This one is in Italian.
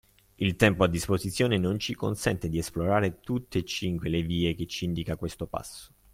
Il tempo a disposizione non ci consente di esplorare tutte e cinque le vie che ci indica questo passo.